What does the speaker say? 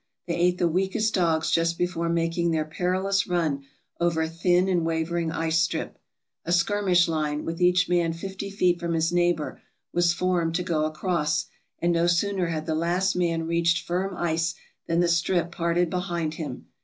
They ate the weakest dogs just before making their perilous run over a thin and wavering ice strip. A skirmish line, with each man fifty feet from his neighbor, was formed to go across, and no sooner had the last man reached firm ice than the strip parted behind him.